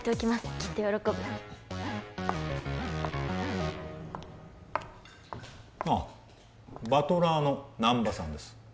きっと喜ぶああバトラーの難波さんです